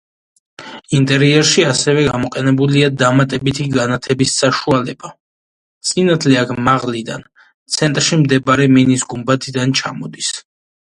ინტერიერში ასევე გამოყენებულია დამატებითი განათების საშუალება: სინათლე აქ მაღლიდან, ცენტრში მდებარე მინის გუმბათიდან ჩამოდის.